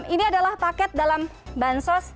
ini adalah paket dalam bansos